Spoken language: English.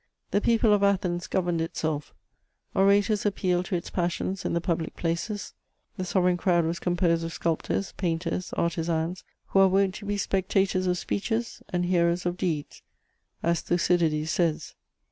The people of Athens governed itself; orators appealed to its passions in the public places; the sovereign crowd was composed of sculptors, painters, artizans, "who are wont to be spectators of speeches and hearers of deeds," as Thucydides says.